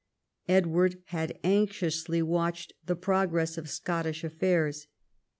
Edward had anxiously Avatched the progress of Scottish affairs.